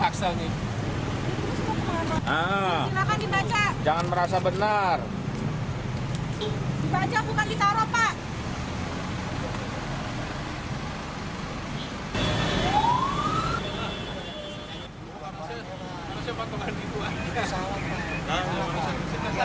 kita aja bukan ditaro pak